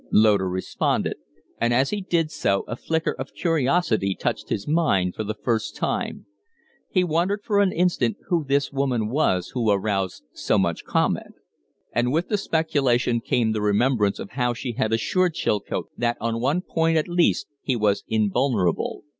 Loder responded, and as he did so a flicker of curiosity touched his mind for the first time. He wondered for an instant who this woman was who aroused so much comment. And with the speculation came the remembrance of how she had assured Chilcote that on one point, at least he was invulnerable.